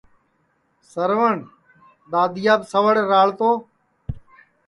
سروٹؔ دؔادِؔیاپ سوڑ راݪ تو